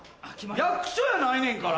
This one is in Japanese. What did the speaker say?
役所やないねんから。